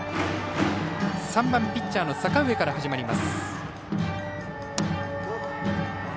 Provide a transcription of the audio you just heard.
３番、ピッチャーの阪上から始まります。